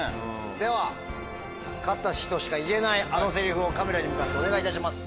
では勝った人しか言えないあのセリフをカメラに向かってお願いいたします。